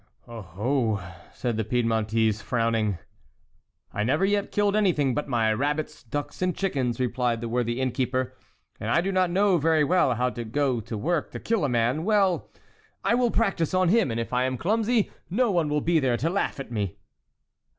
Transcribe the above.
"Oho!" said the Piedmontese, frowning. "I never yet killed anything but my rabbits, ducks, and chickens," replied the worthy inn keeper, "and I do not know very well how to go to work to kill a man; well, I will practise on him, and if I am clumsy, no one will be there to laugh at me."